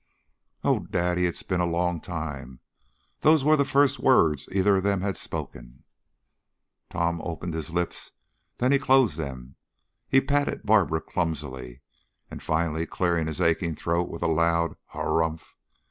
"Oh, daddy, it has been a long time!" Those were the first words either of them had spoken. Tom opened his lips, then he closed them. He patted Barbara clumsily, and finally cleared his aching throat with a loud "_Harrumph!